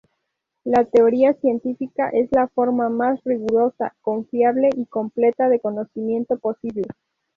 La teoría científica es la forma más rigurosa, confiable y completa de conocimiento posible.